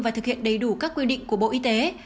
và thực hiện đầy đủ các quy định của bộ y tế